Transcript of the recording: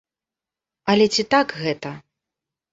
Але ці так гэта?